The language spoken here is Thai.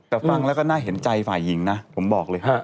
แต่ฟังแล้วก็น่าเห็นใจฝ่ายหญิงนะผมบอกเลย